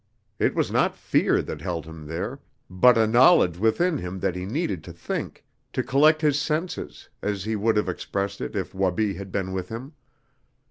It was not fear that held him there, but a knowledge within him that he needed to think, to collect his senses as he would have expressed it if Wabi had been with him.